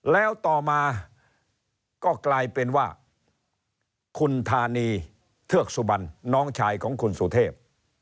แล้วต่อมาก็กลายเป็นว่าคุณธานีเทือกสุบันน้องชายของคุณสุเทพ